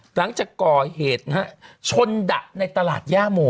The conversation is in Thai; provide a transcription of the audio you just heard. หลังจากก่อเหตุนะฮะชนดะในตลาดย่าโม